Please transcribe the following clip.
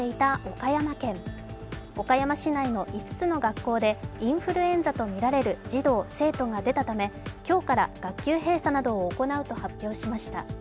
岡山市内の５つの学校でインフルエンザとみられる児童生徒が出たため今日から学級閉鎖などを行うと発表しました。